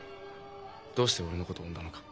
どうして俺のこと産んだのか。